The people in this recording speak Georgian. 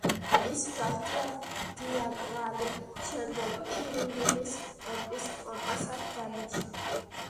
ის გახდა დიაკვანი, შემდეგ კი რიმინის ეპისკოპოსად დანიშნეს.